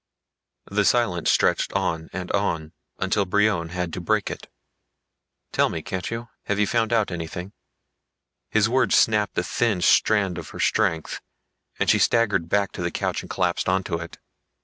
The silence stretched on and on until Brion had to break it. "Tell me, can't you? Have you found out anything?" His words snapped the thin strand of her strength, and she staggered back to the couch and collapsed onto it.